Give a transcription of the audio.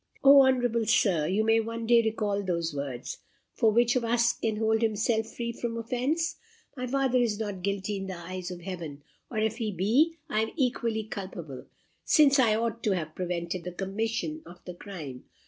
"O, honourable Sir! you may one day recall those words; for which of us can hold himself free from offence? My father is not guilty in the eyes of Heaven; or if he be, I am equally culpable, since I ought to have prevented the commission of the crime.